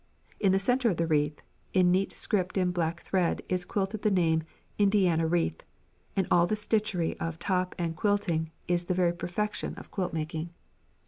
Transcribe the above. In the centre of the wreath, in neat script in black thread, is quilted the name "Indiana Wreath," and all the stitchery of top and quilting is the very perfection of quilt making.